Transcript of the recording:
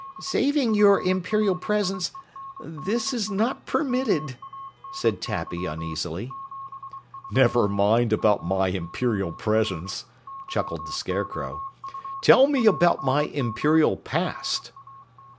"Saving your Imperial Presence, this is not permitted," said Tappy uneasily. "Never mind about my Imperial Presence," chuckled the Scarecrow. "Tell me about my Imperial Past."